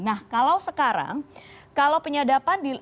nah kalau sekarang kalau penyadapan